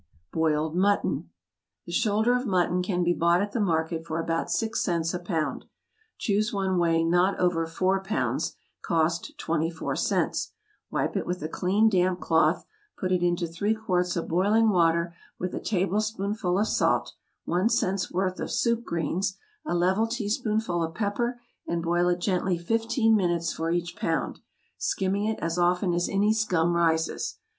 =Boiled Mutton.= The shoulder of mutton can be bought at the market for about six cents a pound. Choose one weighing not over four pounds, (cost twenty four cents,) wipe it with a clean, damp cloth, put it into three quarts of boiling water with a tablespoonful of salt, one cents' worth of soup greens, a level teaspoonful of pepper, and boil it gently fifteen minutes for each pound, skimming it as often as any scum rises.